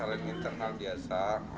masalah internal biasa